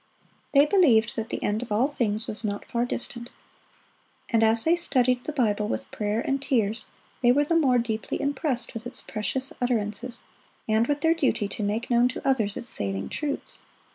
They believed that the end of all things was not far distant; and as they studied the Bible with prayer and tears, they were the more deeply impressed with its precious utterances, and with their duty to make known to others its saving truths.